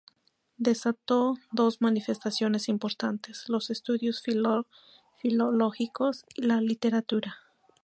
Desató dos manifestaciones importantes: los estudios filológicos y la literatura.